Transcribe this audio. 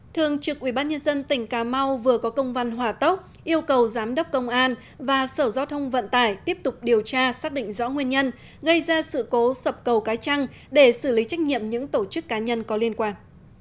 thường trực ubnd tỉnh cà mau vừa có công văn hỏa tốc yêu cầu giám đốc công an và sở giao thông vận tải tiếp tục điều tra xác định rõ nguyên nhân gây ra sự cố sập cầu cái trăng để xử lý trách nhiệm những tổ chức cá nhân có liên quan